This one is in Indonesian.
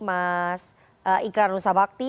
mas iqran nusabakti